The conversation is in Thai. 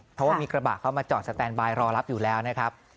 เพราะว่ามีกระบะเข้ามาจอดสแตนบายรอรับอยู่แล้วนะครับ